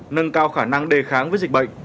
nâng cao khả năng đề khai